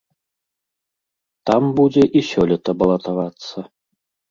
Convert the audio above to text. Там будзе і сёлета балатавацца.